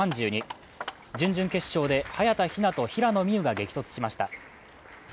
準々決勝で早田ひなと平野美宇が激突しました。